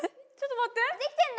できてんだ。